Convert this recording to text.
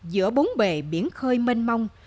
giữa bốn bề biển khơi mênh mông